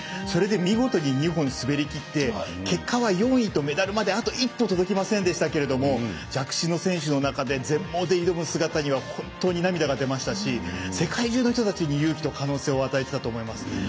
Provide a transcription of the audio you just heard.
それで見事に２本、滑りきって結果は４位と、メダルまであと一歩届きませんでしたけど弱視の選手の中で全盲で挑む姿には本当に涙が出ましたし世界中の人たちに勇気と可能性を与えたと思います。